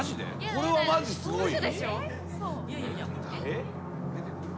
これはマジすごいよ。